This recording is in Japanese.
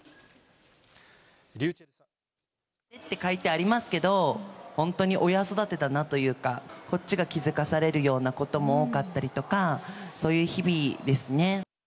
書いてありますけど、本当に親育てだなというか、こっちが気付かされるようなことも多かったりとか、そういう日々ですね。